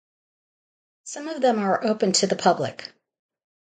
Some of them are open to the public.